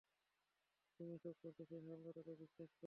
তুমি এসব করেছো সেই হারামজাদাকে বিশ্বাস করে।